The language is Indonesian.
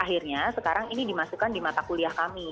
akhirnya sekarang ini dimasukkan di mata kuliah kami